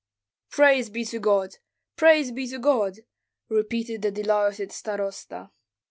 "Praise be to God, praise be to God!" repeated the delighted starosta.